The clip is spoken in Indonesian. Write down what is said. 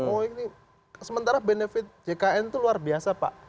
oh ini sementara benefit jkn itu luar biasa pak